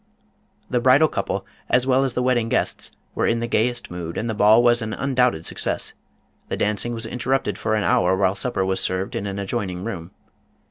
The bridal couple, as well as the wedding guests, were in the gayest mood, and the ball was an undoubted success. The dancing was interrupted for an hour while supper was served in an adjoining room.